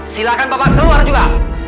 silakan bapak keluar juga